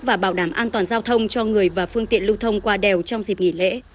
và bảo đảm an toàn giao thông cho người và phương tiện lưu thông qua đèo trong dịp nghỉ lễ